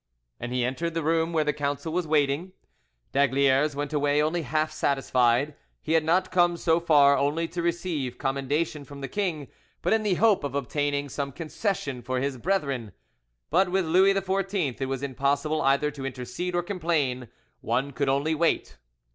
And he entered the room where the council was waiting. D'Aygaliers went away only half satisfied: he had not come so far only to receive commendation from the king, but in the hope of obtaining some concession for his brethren; but with Louis XIV it was impossible either to intercede or complain, one could only wait.